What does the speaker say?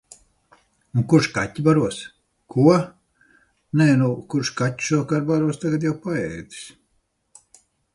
Un kurš kaķi baros? Ko? Nē nu, kurš kaķi šovakar baros, tagad jau paēdis.